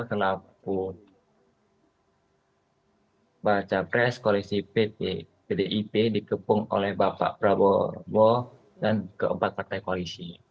kenalpun baca pres koalisi pdip dikepung oleh bapak prabowo dan keempat partai koalisi